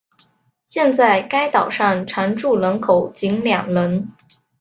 现在该岛上常住人口仅两人。